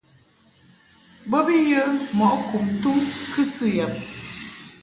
Bo bi yə mɔʼ kum tum kɨsɨ yab.